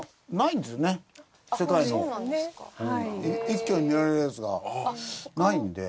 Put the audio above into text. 一挙に見られるやつがないんで。